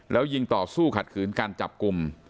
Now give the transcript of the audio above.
แล้วยิงต่อสู้ขัดขืนการจับกลุ่ม